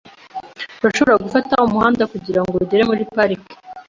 Urashobora gufata umuhanda kugirango ugere muri parike .